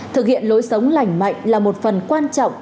thực hiện lối sống lành mạnh là một phần quan trọng